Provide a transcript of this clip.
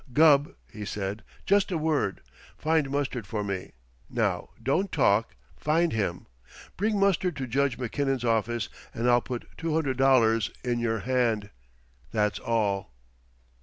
"Gubb," he said, "just a word! Find Mustard for me. Now, don't talk find him. Bring Mustard to Judge Mackinnon's office and I'll put two hundred dollars in your hand! That's all!"